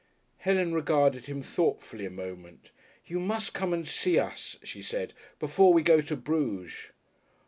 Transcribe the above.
Helen regarded him thoughtfully for a moment. "You must come and see us," she said, "before we go to Bruges."